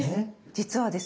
実はですね